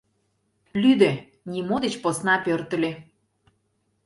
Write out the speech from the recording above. Лӱдӧ, нимо деч посна пӧртыльӧ.